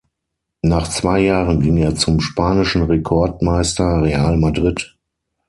Nach zwei Jahren ging er zum spanischen Rekordmeister Real Madrid.